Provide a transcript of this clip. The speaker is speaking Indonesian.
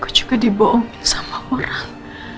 gue juga diboongin sama orang